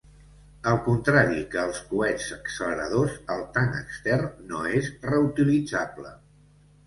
Al contrari que els coets acceleradors, el tanc extern no és reutilitzable.